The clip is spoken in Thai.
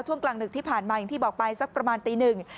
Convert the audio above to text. กลางดึกที่ผ่านมาอย่างที่บอกไปสักประมาณตีหนึ่ง